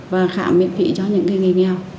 và khảm miễn phí cho những người nghèo